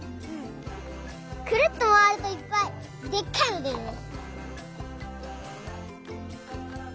くるっとまわるといっぱいでっかいのでるね。